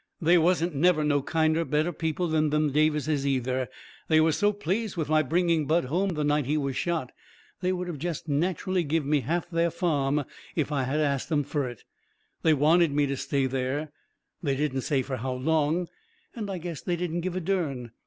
They wasn't never no kinder, better people than them Davises, either. They was so pleased with my bringing Bud home the night he was shot they would of jest natcherally give me half their farm if I had of ast them fur it. They wanted me to stay there they didn't say fur how long, and I guess they didn't give a dern.